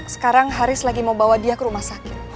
sekarang haris lagi mau bawa dia ke rumah sakit